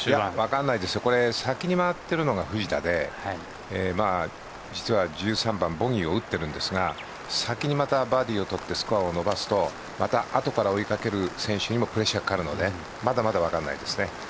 これ先に回っているのが藤田で実は１３番ボギーを打っているんですが先にまたバーディーを取ってスコアを伸ばすとあとから追いかける選手にもプレッシャーがかかるのでまだまだ分からないですね。